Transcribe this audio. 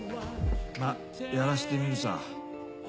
まぁやらせてみるさ。